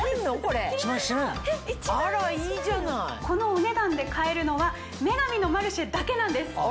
このお値段で買えるのは『女神のマルシェ』だけなんです！